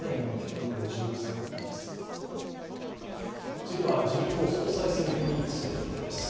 続いては自民党総裁選挙についてです。